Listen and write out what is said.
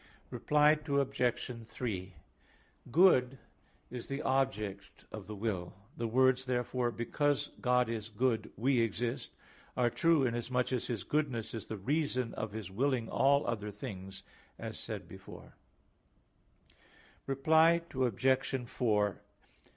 Reply Obj. 3: Good is the object of the will. The words, therefore, "Because God is good, we exist," are true inasmuch as His goodness is the reason of His willing all other things, as said before (A. 2, ad 2). Reply Obj.